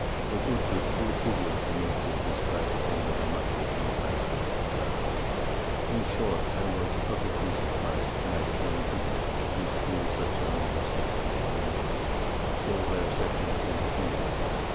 It would be too tedious for me to describe all the remarkable Things I saw at Batavia. In short, I was perfectly surpriz'd, when I came hither, to see such a noble City, and Europeans so well settled in the Indies.